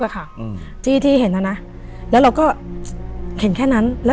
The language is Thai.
เป็นถึงเป็นโครงกระดูก